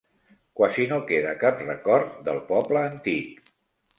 Quasi no queda cap record del poble antic.